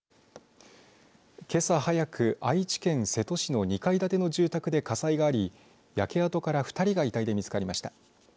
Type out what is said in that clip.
けさ早く、愛知県瀬戸市の２階建ての住宅で火災があり焼け跡から２人が遺体で見つかりました。